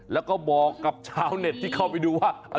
แล้วก็บอกกับชาวเน็ตที่เข้าไปดูว่า